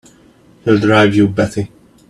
He'll drive you batty!